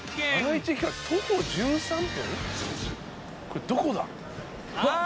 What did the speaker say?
これどこだ？